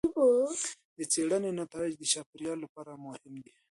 د څېړنې نتایج د چاپیریال لپاره مهم دي.